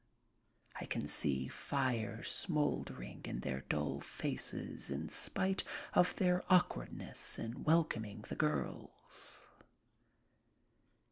I can see fire smoldering in their dull faces in spite of their awkwardness in welcoming the girls.